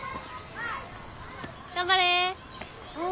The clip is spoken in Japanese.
頑張れ！